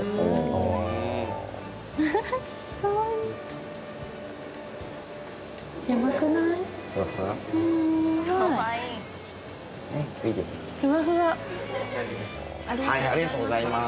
すごい。ありがとうございました。